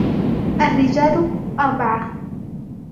الرِّجَالُ أَرْبَعَةٌ